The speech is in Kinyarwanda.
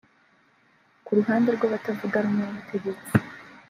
Ku ruhande rw’abatavuga rumwe n’ubutegetsi